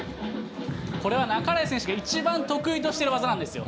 これは半井選手が一番得意としている技なんですよ。